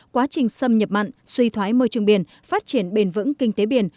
quá trình xâm nhập mặn suy thoái môi trường biển phát triển bền vững kinh tế biển